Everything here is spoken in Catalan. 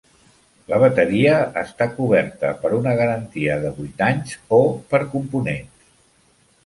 La bateria està coberta per una garantia de vuit anys o per components.